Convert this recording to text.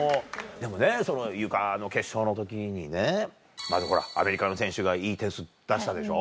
でもねそのゆかの決勝の時にねまずアメリカの選手がいい点数出したでしょ。